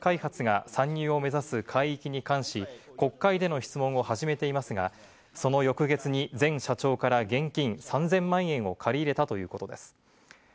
秋本容疑者は２０１９年２月に日本風力開発が参入を目指す海域に関し、国会での質問を始めていますが、その翌月に前社長から現金３０００万円を借り入れたということです。